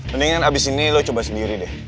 mendingan abis ini lo coba sendiri deh